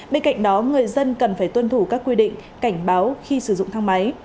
bên cạnh đó người dân cần phải tuân thủ các quy định cảnh báo khi sử dụng thang máy